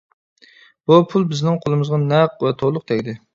بۇ پۇل بىزنىڭ قولىمىزغا نەق ۋە تولۇق تەگدى.